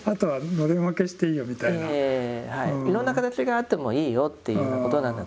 「いろんな形があってもいいよ」っていうことなんだと思います。